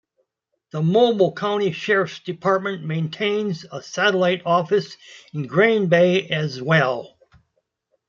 The Mobile County Sheriff's Department maintains a satellite office in Grand Bay as well.